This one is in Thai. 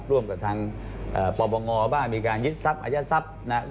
ร่วมกับทางปลอมฯประงอของบ้านมีการยึดซับอัยาตซับนะครับ